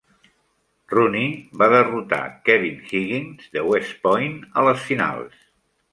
Rooney va derrotar Kevin Higgins, de West Point, a les finals.